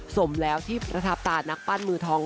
สมแล้วที่ประทับตานักปั้นมือทอง